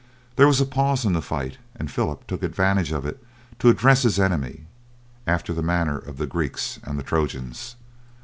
There was a pause in the fight, and Philip took advantage of it to address his enemy after the manner of the Greeks and Trojans.